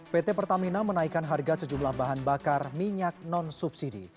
pt pertamina menaikkan harga sejumlah bahan bakar minyak non subsidi